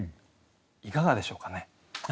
いかがでしょうかね？